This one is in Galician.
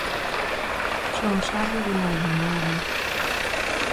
Son Sarria e Vilalba, Noelia.